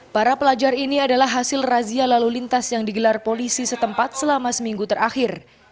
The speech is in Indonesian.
para pelajar ini adalah hasil razia lalu lintas yang digelar polisi setempat selama seminggu terakhir